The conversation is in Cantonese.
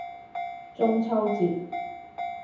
中秋節